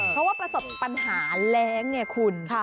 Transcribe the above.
เพราะว่าประสบปัญหาแรงเนี่ยคุณ